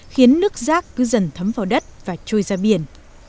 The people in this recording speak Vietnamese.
khiến nước rác cứ dần thấm vào đất và trôi ra biển